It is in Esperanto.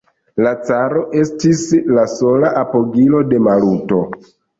La caro estis la sola apogilo de Maluto.